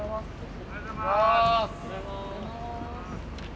おはようございます！